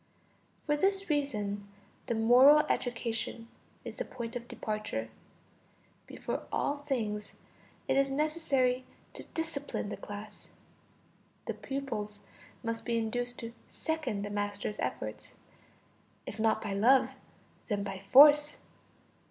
For this reason the moral education is the point of departure; before all things, it is necessary to discipline the class. The pupils must be induced to second the master's efforts, if not by love, then by force.